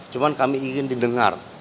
cuma kami ingin didengar